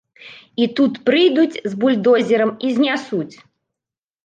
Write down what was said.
І тут прыйдуць з бульдозерам і знясуць?!